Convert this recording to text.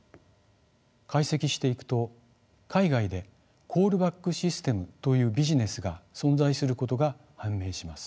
解析していくと海外でコールバックシステムというビジネスが存在することが判明します。